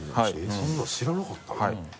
そんなの知らなかったな。